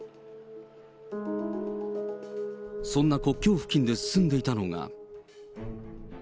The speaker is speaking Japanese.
そんな国境付近で進んでいたのが。